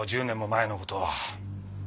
１０年も前の事は。